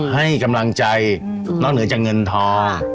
ให้กำลังใจนอกเหนือจากเงินทอง